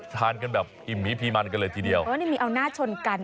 ทานกันแบบอิ่มหีพีมันกันเลยทีเดียวอ๋อนี่มีเอาหน้าชนกัน